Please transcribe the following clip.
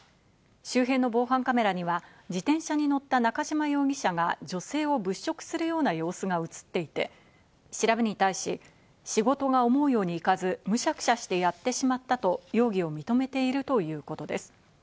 周辺の防犯カメラには自転車に乗った中島容疑者が女性を物色するような様子が映っていて、調べに対し、仕事が思うようにいかず、むしゃくしゃしてやってしまったと容疑を認めているということです。